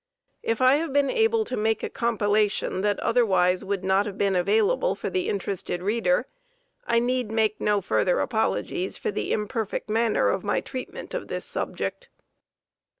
If I have been able to make a compilation that otherwise would not have been available for the interested reader, I need make no further apologies for the imperfect manner of my treatment of this subject.